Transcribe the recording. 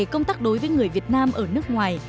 công tác đối với người việt nam ở nước ngoài